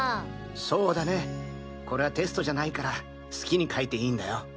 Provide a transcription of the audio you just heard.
そうだねこれはテストじゃないから好きに書いていいんだよ。